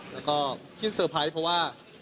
แล้วก็คิดเซอร์ไพรส์เพราะว่า